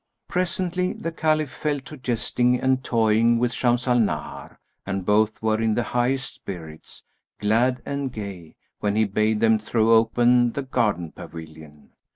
Presently the Caliph fell to jesting and toying with Shams al Nahar and both were in the highest spirits, glad and gay, when he bade them throw open the garden pavilion.